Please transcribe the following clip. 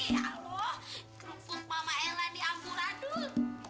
ya allah rumput mama ella diampu radul